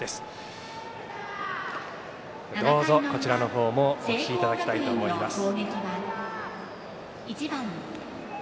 どうぞ、こちらのほうもお聴きいただきたいと思います。